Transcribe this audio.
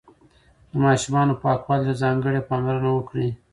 د ماشومانو پاکوالي ته ځانګړې پاملرنه وکړئ.